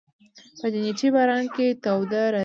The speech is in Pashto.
په جنتي باران کې تاو راتاویږې